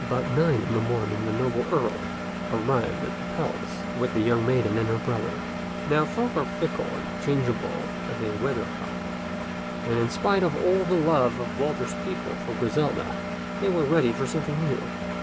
About nine in the morning the noble Earl arrived at the palace with the young maiden and her brother. Now folk are fickle and changeable as a weathercock, and in spite of all the love of Walter's people for Griselda, they were ready for something new.